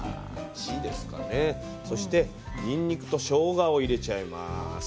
そしてにんにくとしょうがを入れちゃいます。